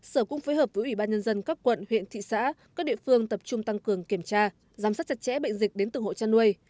sở cũng phối hợp với ủy ban nhân dân các quận huyện thị xã các địa phương tập trung tăng cường kiểm tra giám sát chặt chẽ bệnh dịch đến từng hộ chăn nuôi